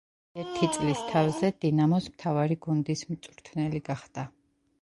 ერთი წლის თავზე „დინამოს“ მთავარი გუნდის მწვრთნელი გახდა.